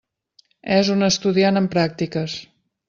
És un estudiant en pràctiques.